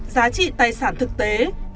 giá trị tài sản thực tế